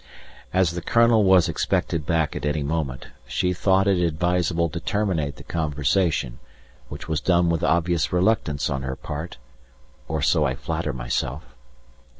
As the Colonel was expected back at any moment she thought it advisable to terminate the conversation, which was done with obvious reluctance on her part, or so I flatter myself.